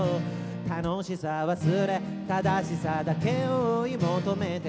「楽しさ忘れ正しさだけを追い求めて」